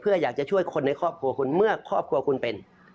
เพื่ออยากจะช่วยคนในครอบครัวคุณเมื่อครอบครัวคุณเป็น